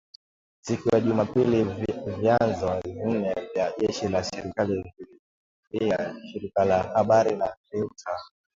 Siku ya Jumapili vyanzo vinne vya jeshi la serikali vililiambia shirika la habari la Reuters.